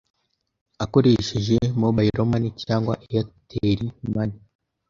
akoresheje ‘mobile money’ cyangwa ‘airtel money